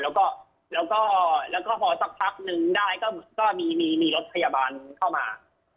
แล้วก็แล้วก็แล้วก็พอสักพักนึงได้ก็เหมือนก็มีมีมีรถพยาบาลเข้ามาอ๋อ